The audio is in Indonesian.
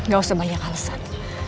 gak usah banyak alesan